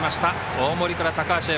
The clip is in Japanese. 大森から高橋へ。